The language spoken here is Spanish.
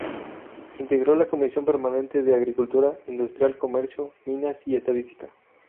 Integró la Comisión Permanente de Agricultura, Industria, Comercio, Minas y Estadística.